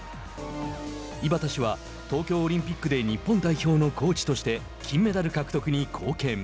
井端氏は東京オリンピックで日本代表のコーチとして金メダル獲得に貢献。